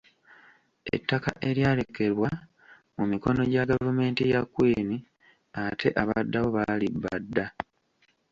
Ettaka eryalekebwa mu mikono gya gavumenti ya Kwini ate abaddawo baalibba dda.